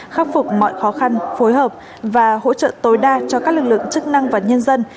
khắc phục mọi khó khăn phối hợp và hỗ trợ tối đa cho các lực lượng chức năng và nhân dân